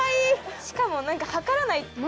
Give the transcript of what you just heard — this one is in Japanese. しかも測らない。